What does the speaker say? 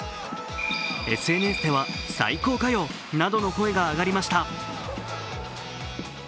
ＳＮＳでは最高かよなどの声が上がりました。